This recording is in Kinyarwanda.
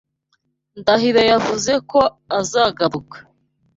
Ndahiro yavuze ko azagaruka.